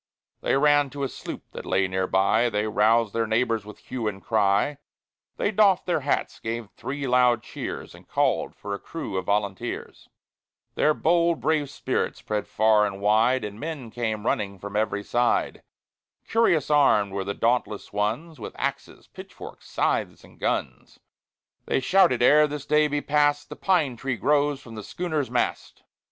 III They ran to a sloop that lay near by; They roused their neighbors, with hue and cry; They doffed their hats, gave three loud cheers, And called for a crew of volunteers. Their bold, brave spirit spread far and wide, And men came running from every side. Curious armed were the dauntless ones, With axes, pitchforks, scythes, and guns; They shouted, "Ere yet this day be passed, The pine tree grows from the schooner's mast!"